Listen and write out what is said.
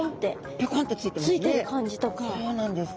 ぴょこんとついてますね。